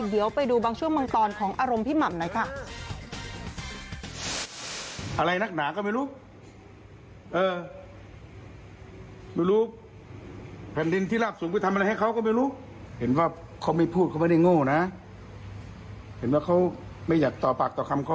เดี๋ยวไปดูบางช่วงบางตอนของอารมณ์พี่หม่ำหน่อยค่ะ